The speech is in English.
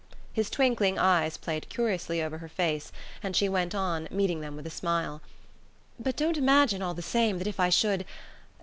His twinkling eyes played curiously over her face, and she went on, meeting them with a smile: "But don't imagine, all the same, that if I should...